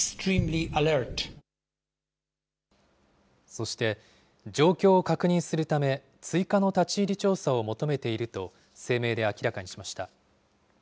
そして、状況を確認するため、追加の立ち入り調査を求めていると声明で明らかにしました。